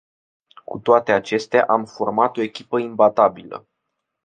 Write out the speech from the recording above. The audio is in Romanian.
Cu toate acestea, am format o echipă imbatabilă.